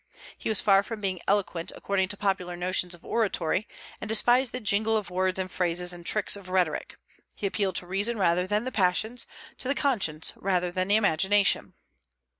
He was far from being eloquent according to popular notions of oratory, and despised the jingle of words and phrases and tricks of rhetoric; he appealed to reason rather than the passions, to the conscience rather than the imagination.